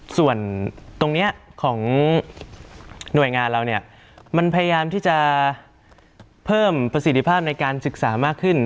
ส่วนตรงนี้ของหน่วยงานเราเนี่ยมันพยายามที่จะเพิ่มประสิทธิภาพในการศึกษามากขึ้น